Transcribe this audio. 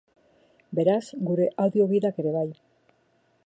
Beraz, gure audio-gidak ere bai.